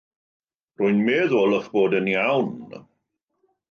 Rwy'n meddwl eich bod yn iawn.